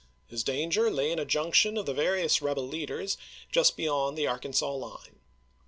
His danger lay in a junction of the various rebel leaders just beyond the Arkansas line.